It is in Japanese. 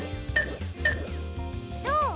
どう？